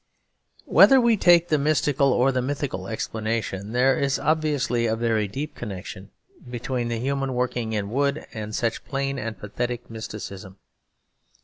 Whether we take the mystical or the mythical explanation, there is obviously a very deep connection between the human working in wood and such plain and pathetic mysticism.